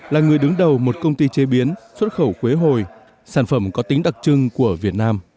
là người đứng đầu một công ty chế biến xuất khẩu quế hồi sản phẩm có tính đặc trưng của việt nam